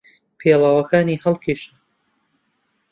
پێڵاوەکانی هەڵکێشا.